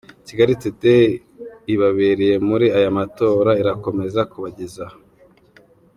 Kigali Today ibabereye muri aya matora irakomeza kuyabagezaho.